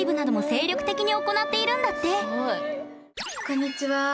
こんにちは。